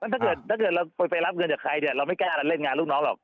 ถ้าเกิดเราไปรับเงินจากใครเนี่ยเราไม่แก้อะไรเล่นงานลูกน้องหรอก